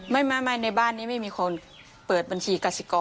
ไม่ในบ้านนี้ไม่มีคนเปิดบัญชีกสิกร